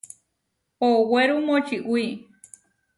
Owéru močiwí.